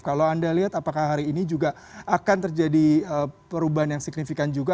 kalau anda lihat apakah hari ini juga akan terjadi perubahan yang signifikan juga